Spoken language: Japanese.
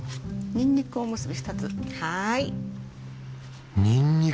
にんにくおむすび